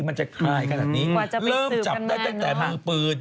กว่าจะไปสืบกันมาเริ่มจับได้ตั้งแต่มือปืน